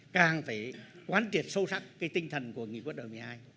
càng phải quán triệt sâu sắc cái tinh thần của nghị quyết đại một mươi hai